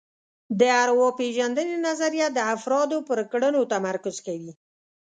د ارواپېژندنې نظریه د افرادو پر کړنو تمرکز کوي